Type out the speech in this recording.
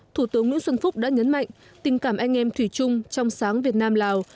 thủ tướng nguyễn xuân phúc đã nhấn mạnh tình cảm anh em thủy chung trong sáng việt nam lào